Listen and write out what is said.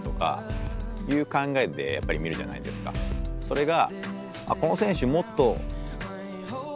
それが。